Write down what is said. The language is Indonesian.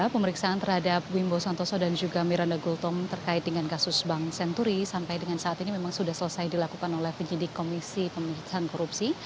pemeriksaan terhadap wimbo santoso dan juga miranda gultom terkait dengan kasus bank senturi sampai dengan saat ini memang sudah selesai dilakukan oleh penyidik komisi pemerintahan korupsi